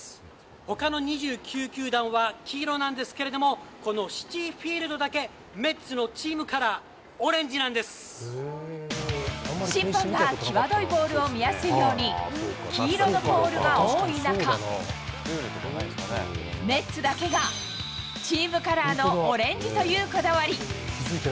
ほかの２９球団は黄色なんですけれども、このシティ・フィールドだけ、メッツのチームカラー、オレンジ審判が際どいボールを見やすいように、黄色のポールが多い中、メッツだけが、チームカラーのオレンジというこだわり。